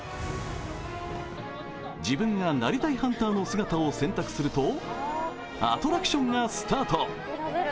自分がなりたいハンターの姿を選択するとアトラクションがスタート。